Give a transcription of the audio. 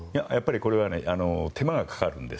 これは手間がかかるんです。